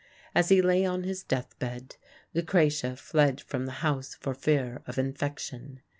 As he lay on his deathbed Lucrezia fled from the house for fear of infection.